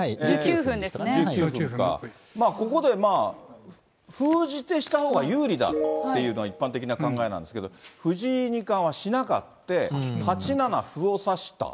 １９分か、ここで封じ手したほうが有利だっていうのが一般的な考えなんですけど、藤井二冠はしなくて、８七歩を指した。